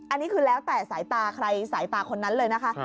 อันนี้คือแล้วแต่สายตาใครสายตาคนนั้นเลยนะคะ